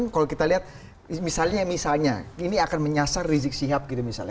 kalau kita lihat misalnya misalnya ini akan menyasar rizik sihab gitu misalnya